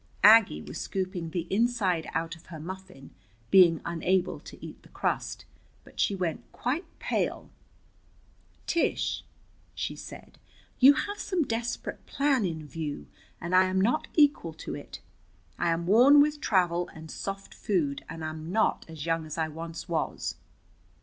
Aggie was scooping the inside out of her muffin, being unable to eat the crust, but she went quite pale. "Tish," she said, "you have some desperate plan in view, and I am not equal to it. I am worn with travel and soft food, and am not as young as I once was."